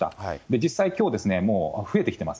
実際、きょう、もう増えてきてます。